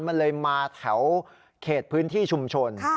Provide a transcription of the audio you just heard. มันเลยมาแถวเขตพื้นที่ชุมชน